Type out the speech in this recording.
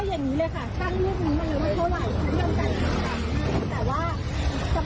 งั้นก็อย่างนี้เลยค่ะสร้างลูกนี้มาก็เท่าไหร่